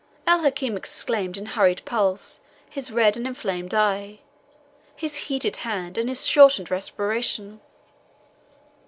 El Hakim examined his hurried pulse, his red and inflamed eye, his heated hand, and his shortened respiration.